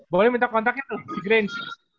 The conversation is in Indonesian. boleh minta kontaknya tuh di greens